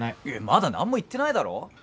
いやまだ何も言ってないだろ。